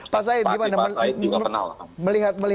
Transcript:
pak said gimana melihat